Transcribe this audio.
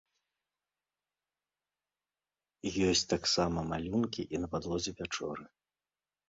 Ёсць таксама малюнкі і на падлозе пячоры.